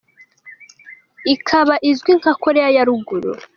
Ikaba izwi nka Koreya ya ruguru.